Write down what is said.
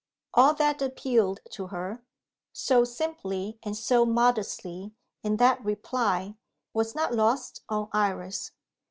All that appealed to her, so simply and so modestly, in that reply, was not lost on Iris.